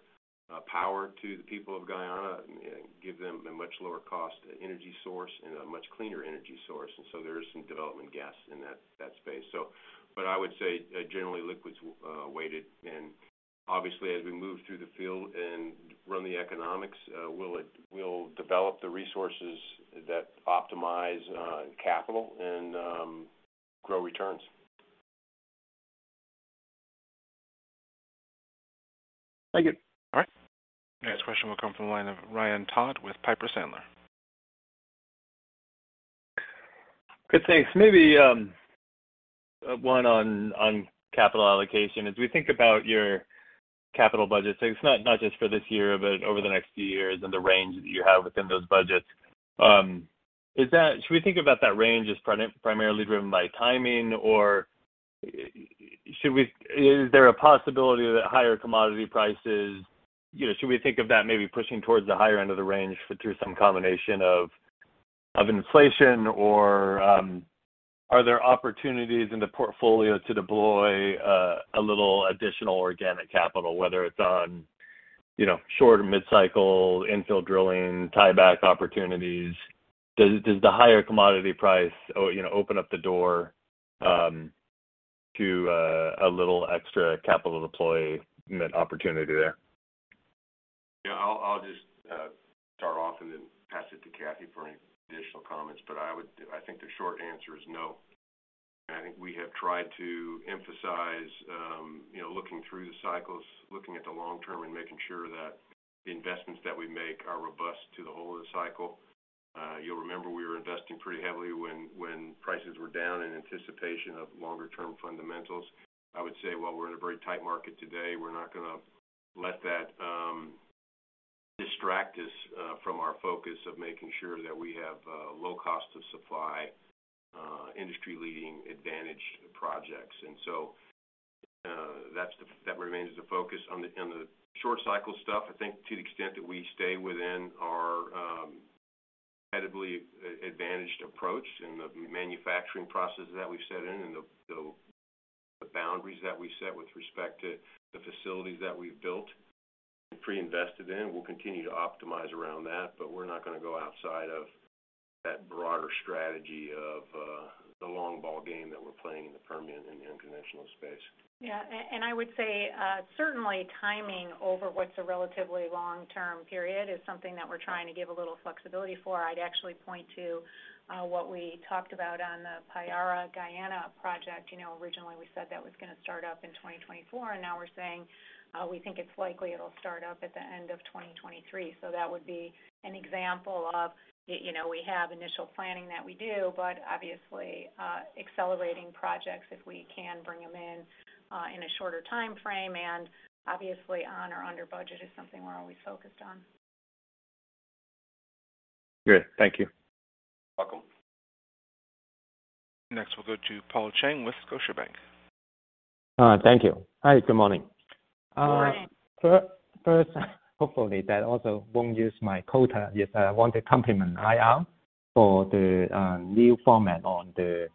power to the people of Guyana and give them a much lower cost energy source and a much cleaner energy source. There is some development gas in that space. I would say generally liquid's weighted. Obviously, as we move through the field and run the economics, we'll develop the resources that optimize capital and grow returns. Thank you. All right. Next question will come from the line of Ryan Todd with Piper Sandler. Good, thanks. Maybe one on capital allocation. As we think about your capital budget, it's not just for this year, but over the next few years and the range that you have within those budgets. Should we think about that range as primarily driven by timing? Is there a possibility that higher commodity prices, you know, should we think of that maybe pushing towards the higher end of the range through some combination of inflation? Are there opportunities in the portfolio to deploy a little additional organic capital, whether it's on, you know, short or mid-cycle infill drilling, tieback opportunities? Does the higher commodity price you know open up the door to a little extra capital deployment opportunity there? I'll just start off and then pass it to Kathy for any additional comments. I think the short answer is no. I think we have tried to emphasize, you know, looking through the cycles, looking at the long term, and making sure that the investments that we make are robust to the whole of the cycle. You'll remember we were investing pretty heavily when prices were down in anticipation of longer-term fundamentals. I would say while we're in a very tight market today, we're not gonna let that distract us from our focus of making sure that we have low cost of supply, industry-leading advantage projects. That remains the focus. On the short cycle stuff, I think to the extent that we stay within our credibly advantaged approach and the manufacturing processes that we've set in and the boundaries that we've set with respect to the facilities that we've built and pre-invested in, we'll continue to optimize around that. We're not gonna go outside of that broader strategy of the long ball game that we're playing in the Permian and the unconventional space. Yeah. I would say certainly timing over what's a relatively long-term period is something that we're trying to give a little flexibility for. I'd actually point to what we talked about on the Payara Guyana project. You know, originally, we said that was gonna start up in 2024, and now we're saying we think it's likely it'll start up at the end of 2023. That would be an example of, you know, we have initial planning that we do, but obviously accelerating projects if we can bring them in in a shorter timeframe, and obviously on or under budget is something we're always focused on. Great. Thank you. You're welcome. Next, we'll go to Paul Cheng with Scotiabank. Thank you. Hi, good morning. Morning. Morning. First, hopefully that also won't use my quota. Yes, I want to compliment IR for the new format on the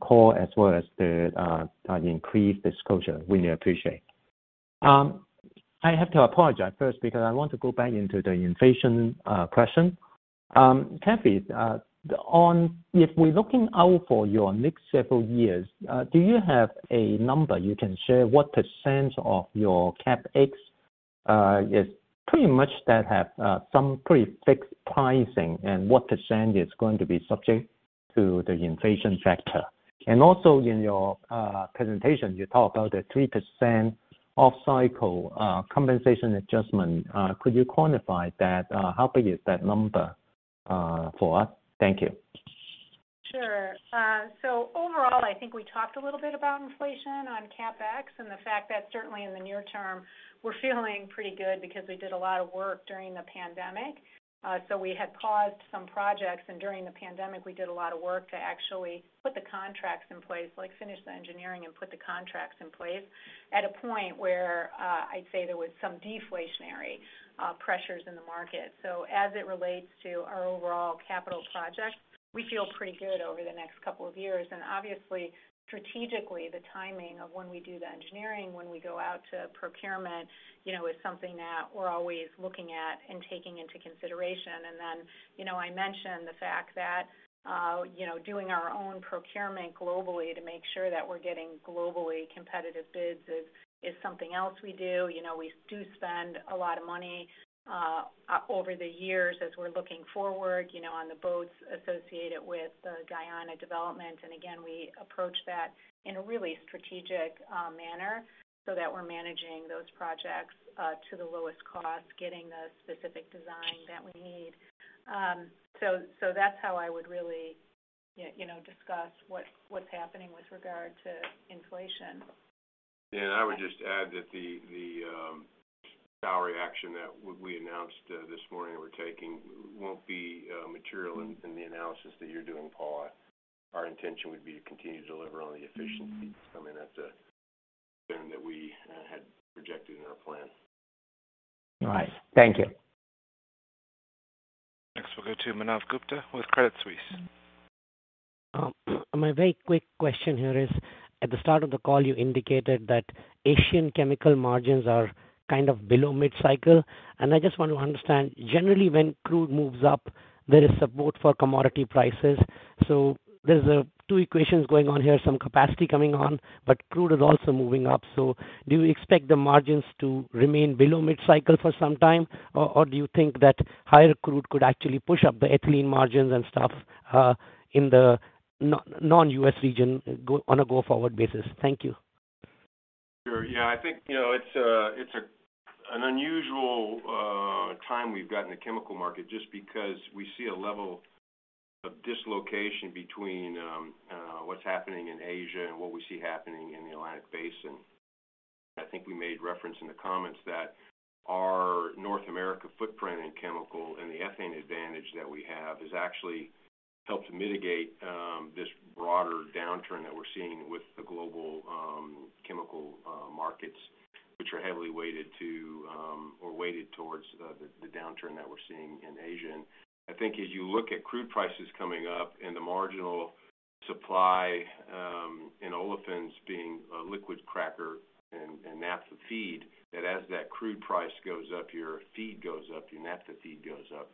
call as well as the increased disclosure. Really appreciate. I have to apologize first because I want to go back into the inflation question. Kathy, if we're looking out for your next several years, do you have a number you can share what % of your CapEx is pretty much that have some pretty fixed pricing and what % is going to be subject to the inflation factor? Also in your presentation, you talk about the 3% off-cycle compensation adjustment. How big is that number? Paul. Thank you. Sure. Overall, I think we talked a little bit about inflation on CapEx and the fact that certainly in the near term, we're feeling pretty good because we did a lot of work during the pandemic. We had paused some projects, and during the pandemic, we did a lot of work to actually put the contracts in place, like finish the engineering and put the contracts in place at a point where, I'd say there was some deflationary pressures in the market. As it relates to our overall capital projects, we feel pretty good over the next couple of years. Obviously, strategically, the timing of when we do the engineering, when we go out to procurement, you know, is something that we're always looking at and taking into consideration. You know, I mentioned the fact that doing our own procurement globally to make sure that we're getting globally competitive bids is something else we do. You know, we do spend a lot of money over the years as we're looking forward on the boats associated with the Guyana development. Again, we approach that in a really strategic manner so that we're managing those projects to the lowest cost, getting the specific design that we need. So that's how I would really discuss what's happening with regard to inflation. I would just add that the salary action that we announced this morning we're taking won't be material in the analysis that you're doing, Paul. Our intention would be to continue to deliver on the efficiencies that we had projected in our plan. All right. Thank you. Next, we'll go to Manav Gupta with Credit Suisse. My very quick question here is, at the start of the call, you indicated that Asian chemical margins are kind of below mid-cycle. I just want to understand, generally, when crude moves up, there is support for commodity prices. There's two equations going on here, some capacity coming on, but crude is also moving up. Do you expect the margins to remain below mid-cycle for some time? Or do you think that higher crude could actually push up the ethylene margins and stuff in the non-US region on a go-forward basis? Thank you. Sure. Yeah. I think, you know, it's an unusual time we've got in the chemical market just because we see a level of dislocation between what's happening in Asia and what we see happening in the Atlantic Basin. I think we made reference in the comments that our North America footprint in chemical and the ethane advantage that we have has actually helped mitigate this broader downturn that we're seeing with the global chemical markets, which are heavily weighted to or weighted towards the downturn that we're seeing in Asia. I think as you look at crude prices coming up and the marginal supply in olefins being a liquid cracker and naphtha feed, that as that crude price goes up, your feed goes up, your naphtha feed goes up.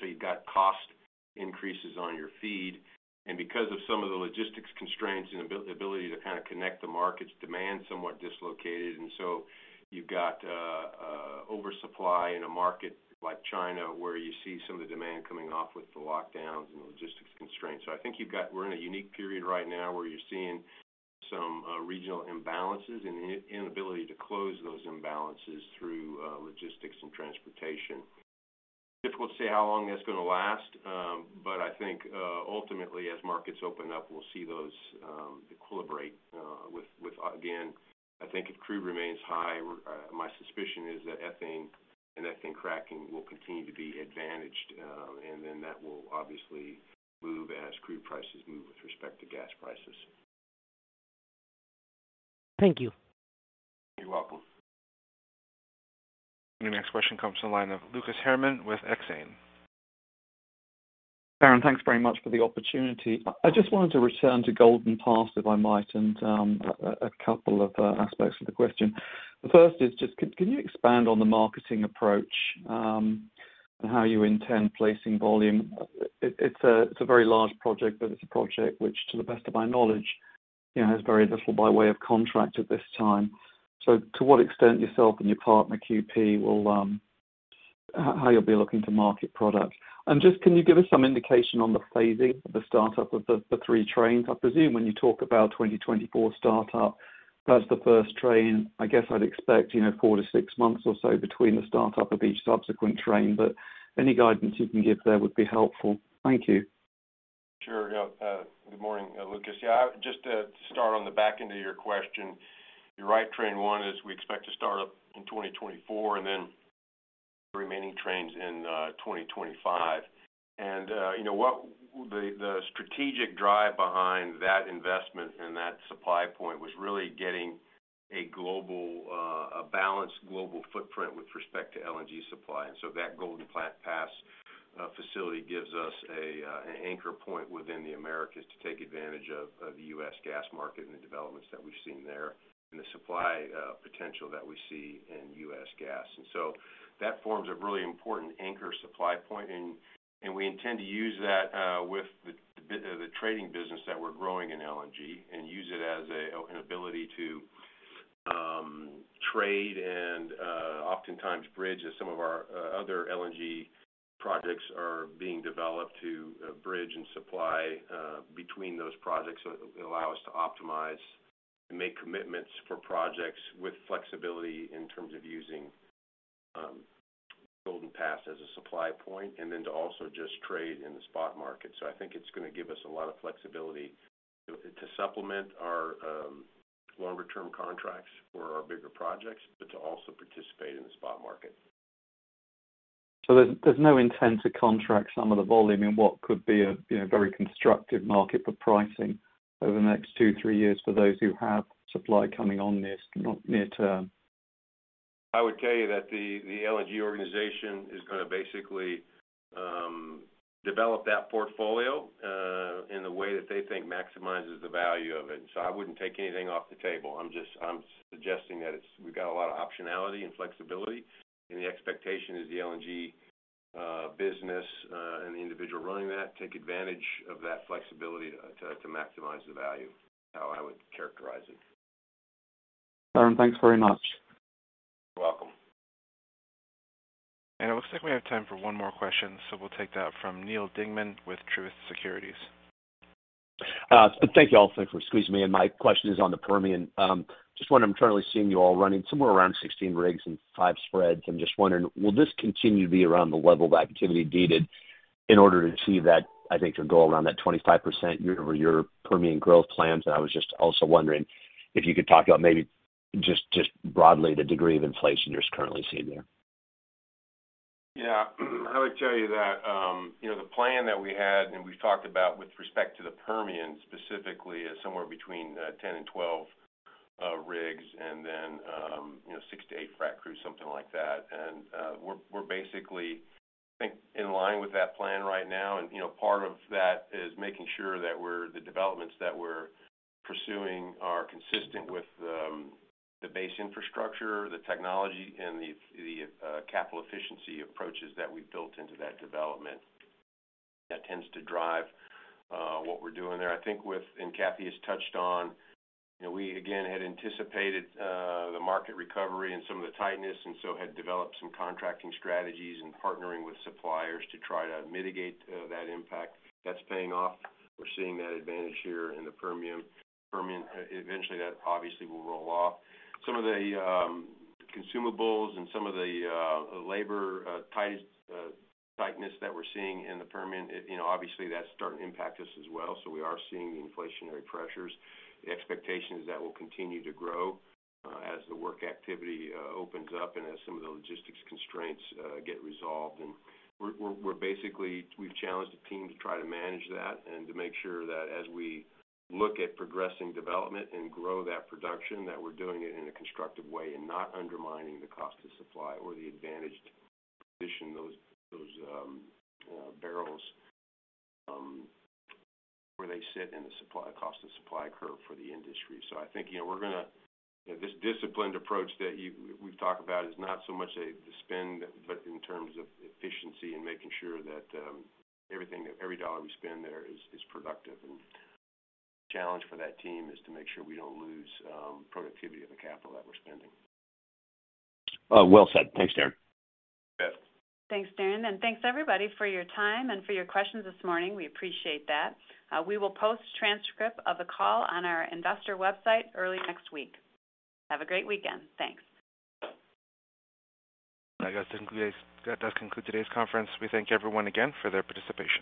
So you've got cost increases on your feed. Because of some of the logistics constraints and ability to kind of connect the markets, demand is somewhat dislocated. You've got oversupply in a market like China, where you see some of the demand coming off with the lockdowns and the logistics constraints. I think we're in a unique period right now where you're seeing some regional imbalances and inability to close those imbalances through logistics and transportation. Difficult to say how long that's going to last, but I think ultimately, as markets open up, we'll see those equilibrate with. Again, I think if crude remains high, my suspicion is that ethane and ethane cracking will continue to be advantaged, and then that will obviously move as crude prices move with respect to gas prices. Thank you. You're welcome. Your next question comes to the line of Lucas Herrmann with Exane. Darren, thanks very much for the opportunity. I just wanted to return to Golden Pass, if I might, and a couple of aspects of the question. The first is just can you expand on the marketing approach, how you intend placing volume? It's a very large project, but it's a project which, to the best of my knowledge, you know, has very little by way of contract at this time. So to what extent you and your partner, QP, will how you'll be looking to market products? And just can you give us some indication on the phasing of the startup of the three trains? I presume when you talk about 2024 startup, that's the first train. I guess I'd expect, you know, four to six months or so between the startup of each subsequent train. Any guidance you can give there would be helpful. Thank you. Sure. Yeah. good morning, Lucas. Yeah, just to start on the back end of your question, you're right. Train one is we expect to start up in 2024 and then the remaining trains in 2025. you know what, The strategic drive behind that investment and that supply point was really getting a global, a balanced global footprint with respect to LNG supply. So that Golden Pass LNG facility gives us an anchor point within the Americas to take advantage of the U.S. gas market and the developments that we've seen there and the supply, potential that we see in U.S. gas. So that forms a really important anchor supply point. We intend to use that with the trading business that we're growing in LNG and use it as an ability to trade and oftentimes bridge as some of our other LNG projects are being developed to bridge and supply between those projects. It will allow us to optimize to make commitments for projects with flexibility in terms of using Golden Pass as a supply point and then to also just trade in the spot market. I think it's gonna give us a lot of flexibility to supplement our longer term contracts for our bigger projects, but to also participate in the spot market. There's no intent to contract some of the volume in what could be a, you know, very constructive market for pricing over the next two, three years for those who have supply coming on, not near term? I would tell you that the LNG organization is gonna basically develop that portfolio in a way that they think maximizes the value of it. I wouldn't take anything off the table. I'm suggesting that we've got a lot of optionality and flexibility, and the expectation is the LNG business and the individual running that take advantage of that flexibility to maximize the value, how I would characterize it. Darren, thanks very much. You're welcome. It looks like we have time for one more question, so we'll take that from Neal Dingmann with Truist Securities. Thank you all. Thanks for squeezing me in. My question is on the Permian. Just what I'm currently seeing you all running somewhere around 16 rigs and five spreads. I'm just wondering, will this continue to be around the level of activity needed in order to achieve that, I think, your goal around that 25% year-over-year Permian growth plans? I was just also wondering if you could talk about maybe just broadly the degree of inflation you're currently seeing there. Yeah. I would tell you that, you know, the plan that we had and we've talked about with respect to the Permian specifically is somewhere between 10 and 12 rigs and then, you know, six-eight frac crews, something like that. We're basically, I think, in line with that plan right now. You know, part of that is making sure that the developments that we're pursuing are consistent with the base infrastructure, the technology, and the capital efficiency approaches that we've built into that development. That tends to drive what we're doing there. I think with, and Kathy has touched on, you know, we again had anticipated the market recovery and some of the tightness, and so had developed some contracting strategies and partnering with suppliers to try to mitigate that impact. That's paying off. We're seeing that advantage here in the Permian. Eventually that obviously will roll off. Some of the consumables and some of the labor tightness that we're seeing in the Permian, it, you know, obviously that's starting to impact us as well, so we are seeing the inflationary pressures. The expectation is that will continue to grow, as the work activity opens up and as some of the logistics constraints get resolved. We're basically we've challenged the team to try to manage that and to make sure that as we look at progressing development and grow that production, that we're doing it in a constructive way and not undermining the cost of supply or the advantaged position those barrels where they sit in the supply cost to supply curve for the industry. I think, you know, we're gonna. This disciplined approach we've talked about is not so much the spend, but in terms of efficiency and making sure that everything, every dollar we spend there is productive. The challenge for that team is to make sure we don't lose productivity of the capital that we're spending. Well said. Thanks, Darren. You bet. Thanks, Darren, and thanks everybody for your time and for your questions this morning. We appreciate that. We will post transcript of the call on our investor website early next week. Have a great weekend. Thanks. I guess to conclude, that does conclude today's conference. We thank everyone again for their participation.